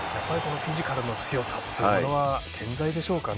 フィジカルの強さっていうものは健在でしょうかね。